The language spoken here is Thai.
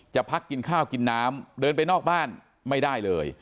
พักกินข้าวกินน้ำเดินไปนอกบ้านไม่ได้เลย